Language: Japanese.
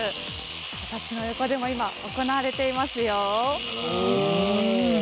私の横でも今行われていますよ。